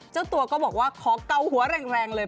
เจ้าตัวก็บอกว่าขอเกาหัวแรงเลย